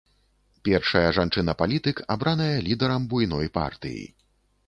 Першая жанчына-палітык абраная лідарам буйной партыі.